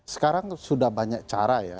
sekarang sudah banyak cara ya